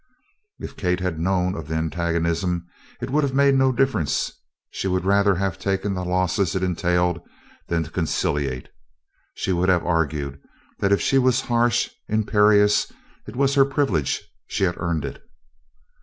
If Kate had known of the antagonism, it would have made no difference she would rather have taken the losses it entailed than to conciliate. She would have argued that if she was harsh, imperious, it was her privilege she had earned it.